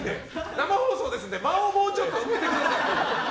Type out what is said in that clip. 生放送ですので間をもうちょっと埋めてください。